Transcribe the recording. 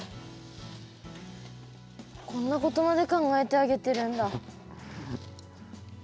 こんなことまで考えてあげてるんだ。